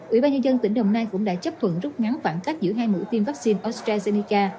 ủy ban nhân dân tỉnh đồng nai cũng đã chấp thuận rút ngắn khoảng cách giữa hai mũi tiêm vaccine astrazeneca